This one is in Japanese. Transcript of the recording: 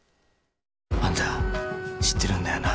あんた、知ってるんだよな。